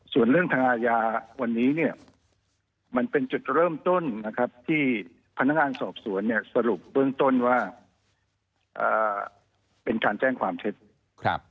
ส่วนเรื่องทางอาญาวันนี้เนี่ยมันเป็นจุดเริ่มต้นนะครับที่พนักงานสอบสวนเนี่ยสรุปเบื้องต้นว่าเป็นการแจ้งความเท็จ